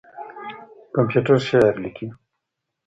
کمپيوټر شعر ليکي.